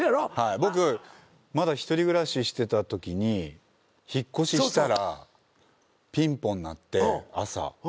僕まだ１人暮らししてたときに引っ越ししたらピンポン鳴って朝。